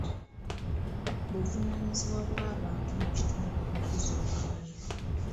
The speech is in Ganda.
Buvunaanyizibwa bw'abantu mu kitundu okukuza omwana.